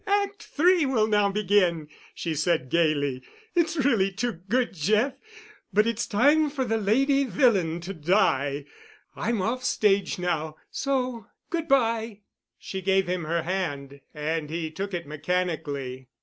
"Act Three will now begin," she said gaily. "It's really too good, Jeff. But it's time for the lady villain to die. I'm off stage now, so good by." She gave him her hand, and he took it mechanically.